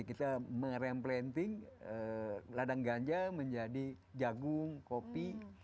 kita meremplanting ladang ganja menjadi jagung kopi